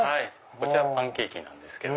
こちらパンケーキなんですけど。